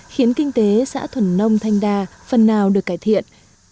khiến kinh tế xã thuần nông thanh đa phần nào được cải thiện